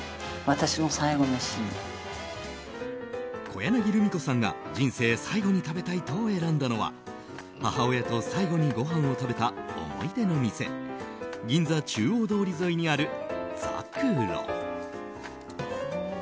小柳ルミ子さんが人生最後に食べたいと選んだのは母親と最後にごはんを食べた思い出の店銀座・中央通り沿いにあるざくろ。